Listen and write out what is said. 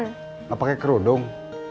nggak pakai kerudung